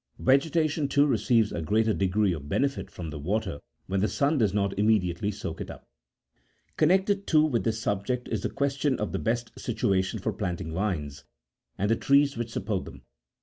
Vege tation, too, receives a greater degree of benefit from the water when the sun does not immediately soak it up. Connected, too, with this subject is the question of the best situation for planting vines, and the trees which support them.